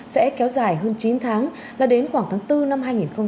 sẽ kéo dài hơn chín tháng là đến khoảng tháng bốn năm hai nghìn hai mươi